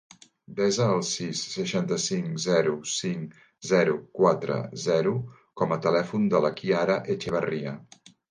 Desa el sis, seixanta-cinc, zero, cinc, zero, quatre, zero com a telèfon de la Chiara Etxebarria.